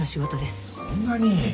そんなに？